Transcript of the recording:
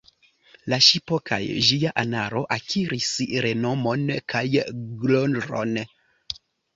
La ŝipo kaj ĝia anaro akiris renomon kaj gloron.